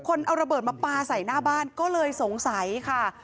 คนเอาระเบิดมาปลาใส่หน้าบ้านก็เลยสงสัยค่ะ